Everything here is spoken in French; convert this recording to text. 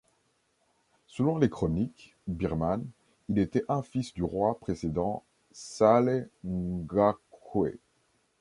Selon les chroniques birmanes, il était un fils du roi précédent, Sale Ngahkwe.